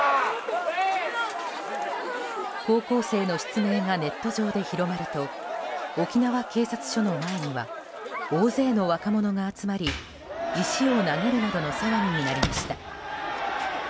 高校生の失明がネット上で広まると沖縄警察署の前には大勢の若者が集まり石を投げるなどの騒ぎになりました。